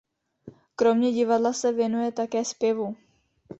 Kromě divadla se věnuje také zpěvu.